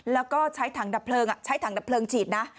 แล้วก็ใช้ถังดับเพลิงใช้ถังดับเพลิงฉีดนะ